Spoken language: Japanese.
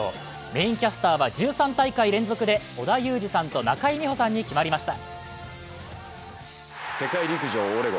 メインキャスターは１３大会連続で織田裕二さんと中井美穂さんに決まりました。